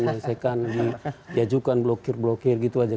menyelesaikan di ajukan blokir blokir gitu aja